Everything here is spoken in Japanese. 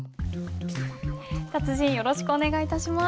達人よろしくお願い致します。